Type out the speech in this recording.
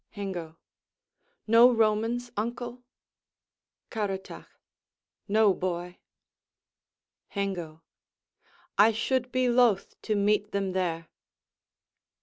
Hengo No Romans, uncle? Caratach No, boy. Hengo I should be loath to meet them there.